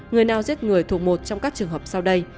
người nào giết người thuộc một trong các trường hợp sau đây